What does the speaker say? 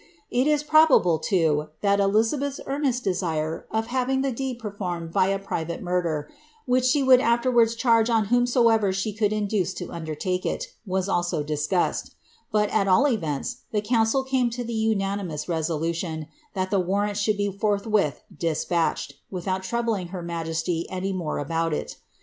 It is probable, too, thai Elizabeth's earnest desire of haringibf deed performed by a private murder, which she would aflerwards clisrgt on whomsoever she could induce to undertake it, was also discu^; but, at all events, the council came to the unanimous resolution, that the warrant should be foithwiih despatched, without troubling her majfsiv any more about il.